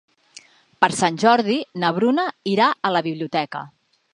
Per Sant Jordi na Bruna irà a la biblioteca.